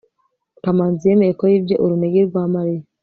kamanzi yemeye ko yibye urunigi rwa mariya